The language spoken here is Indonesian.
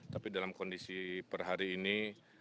tapi dalam kondisi per hari ini